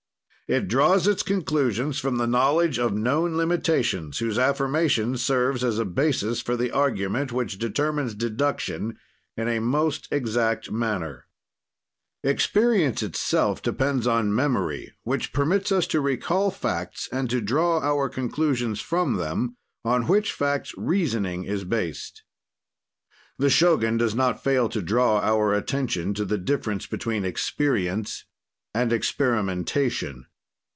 "It draws its conclusions from the knowledge of known limitations, whose affirmation serves as a basis for the argument which determines deduction in a most exact manner. "Experience itself depends on memory, which permits us to recall facts and to draw our conclusions from them, on which facts reasoning is based." The Shogun does not fail to draw our attention to the difference between experience and experimentation.